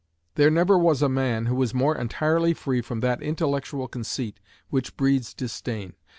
There never was a man who was more entirely free from that intellectual conceit which breeds disdain.